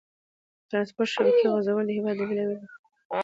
د ترانسپورتي شبکې غځول د هېواد د بېلابېلو برخو تر منځ سوداګري اسانه کوي.